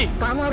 biar takut nih